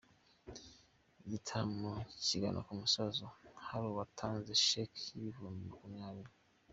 Igitaramo kigana ku musozo hari uwatanze sheki y’ibihumbi makumyabiri.